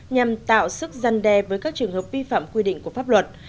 nhằm tạo sức dân đe với các trường hợp vi phạm quy định của pháp luật